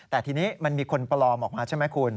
แต่ทีนี้มันมีคนปลอมออกมาใช่ไหมคุณ